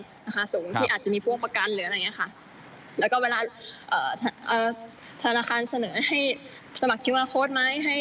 ราคาสูงที่อาจจะมีพวกปรากรันแล้วก็เวลาธานาคารเสนอให้สมัครเปลี่ยนมาโฆษไหม